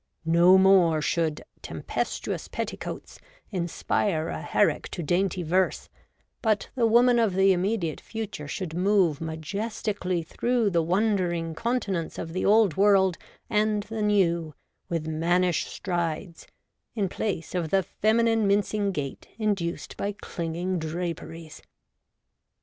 No more should 'tempestuous petticoats' inspire a Herrick to dainty verse, but the woman of the immediate future should move majestically through the wondering continents of the Old World and the New with mannish strides in place of the feminine mincing gait induced by clinging draperies.